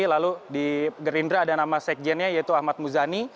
lalu di gerindra ada nama sekjennya yaitu ahmad muzani